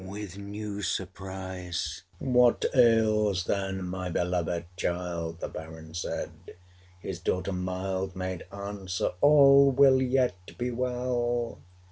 With new surprise, 'What ails then my belovéd child?' 470 The Baron said His daughter mild Made answer, 'All will yet be well!'